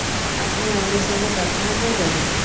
আপনি আমাদের সঙ্গে প্রার্থনা করবেন?